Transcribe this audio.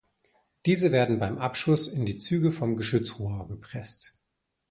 Diese werden beim Abschuss in die Züge vom Geschützrohr gepresst.